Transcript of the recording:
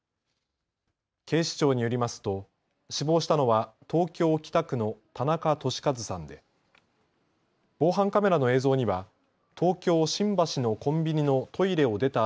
警視庁によりますと死亡したのは東京北区の田中寿和さんで防犯カメラの映像には東京新橋のコンビニのトイレを出た